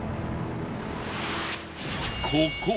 ここ！